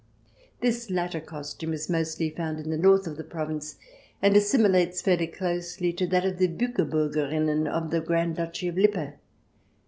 This latter costume is mostly found in the north of the Province, and assimilates fairly closely to that of the Buckerburgerinnen of the Grand Duchy of Lippe.